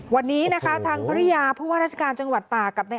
วันนี้นะคะทางพรียาภูระรัชกาลจังหวัดตากับนี่